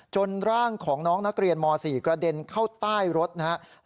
ร่างของน้องนักเรียนม๔กระเด็นเข้าใต้รถนะครับ